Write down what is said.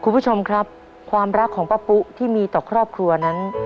คุณผู้ชมครับความรักของป้าปุ๊ที่มีต่อครอบครัวนั้น